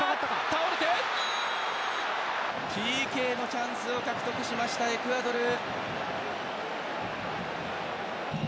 倒れて、ＰＫのチャンスを獲得しました、エクアドル！